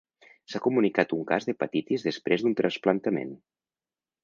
S'ha comunicat un cas d'hepatitis després d'un trasplantament.